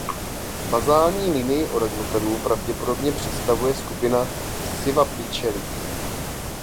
Bazální linii orangutanů pravděpodobně představuje skupina Sivapithecini.